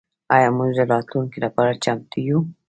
آیا موږ د راتلونکي لپاره چمتو یو؟